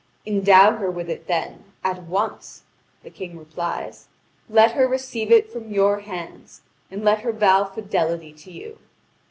"Endow her with it, then, at once," the King replies; "let her receive it from your hands, and let her vow fidelity to you!